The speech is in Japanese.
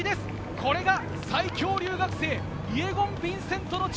これが最強留学生、イェゴン・ヴィンセントの力。